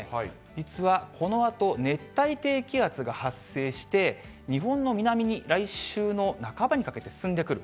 実はこのあと、熱帯低気圧が発生して、日本の南に来週の半ばにかけて進んでくる。